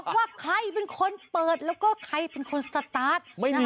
ว่าใครเป็นคนเปิดแล้วก็ใครเป็นคนสตาร์ท